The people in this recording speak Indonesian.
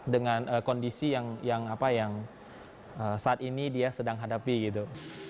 dengan kondisi yang saat ini dia sedang hadapi gitu